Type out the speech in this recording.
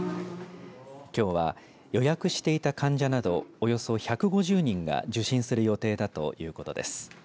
きょうは予約していた患者などおよそ１５０人が受診する予定だということです。